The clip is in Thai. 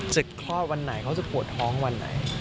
คลอดวันไหนเขาจะปวดท้องวันไหน